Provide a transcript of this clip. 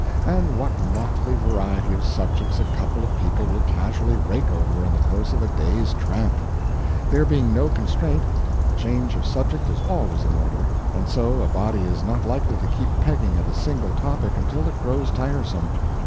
And what motley variety of subjects a couple of people will casually rake over in the course of a day's tramp! There being no constraint, a change of subject is always in order, and so a body is not likely to keep pegging at a single topic until it grows tiresome.